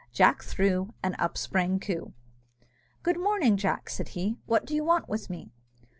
Jack threw, and up sprang Coo! "Good morning, Jack," said he; "what do you want with me?"